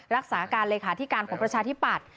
รักษาการเลยค่ะที่การของประชาธิปัตย์